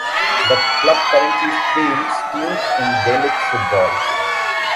The club currently fields teams in Gaelic football.